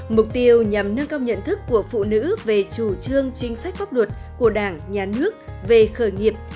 mục tiêu nhằm nâng cao nhận thức của phụ nữ về chủ trương chính sách pháp luật của đảng nhà nước về khởi nghiệp